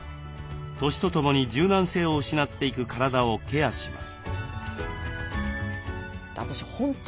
年とともに柔軟性を失っていく体をケアします。